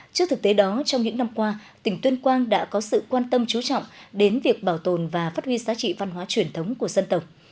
trước thực tế đó trong những năm qua tỉnh tuyên quang đã có sự quan tâm chú trọng đến việc bảo tồn và phát huy giá trị văn hóa truyền thống của dân tộc